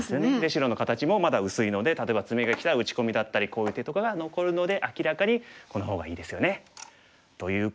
白の形もまだ薄いので例えばツメがきたら打ち込みだったりこういう手とかが残るので明らかにこの方がいいですよね。ということで。